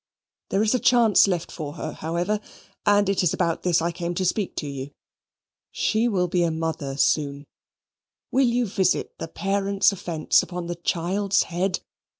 There is a chance left for her, however, and it is about this I came to speak to you. She will be a mother soon. Will you visit the parent's offence upon the child's head?